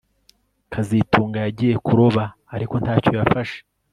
kazitunga yagiye kuroba ariko ntacyo yafashe